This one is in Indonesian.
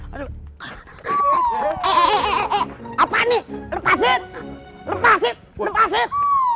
apaan nih lepasin lepasin lepasin